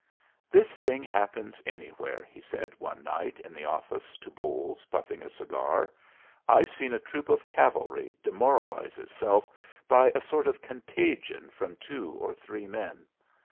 "This thing happens anywhere," he said one night in the office to Bolles, puffing a cigar. "I've seen a troop of cavalry demoralize itself by a sort of contagion from two or three men."